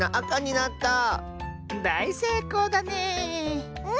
だいせいこうだね！